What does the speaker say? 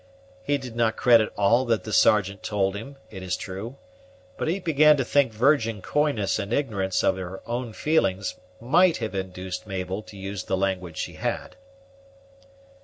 He did not credit all that the Sergeant told him, it is true; but he began to think virgin coyness and ignorance of her own feelings might have induced Mabel to use the language she had.